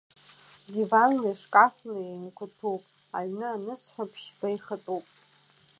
Диванлеи шкафлеи иҩнқәа ҭәуп, аҩны анысҳәа, ԥшьба ихатәуп.